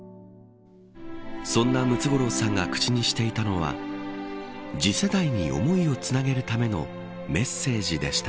そんなムツゴロウさんが口にしていたのは次世代に思いをつなげるためのメッセージでした。